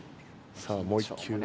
さあもう１球。